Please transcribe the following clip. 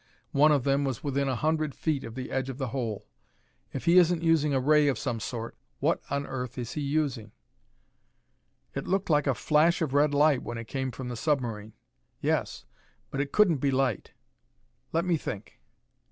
One of them was within a hundred feet of the edge of the hole. If he isn't using a ray of some sort, what on earth is he using?" "It looked like a flash of red light when it came from the submarine." "Yes, but it couldn't be light. Let me think."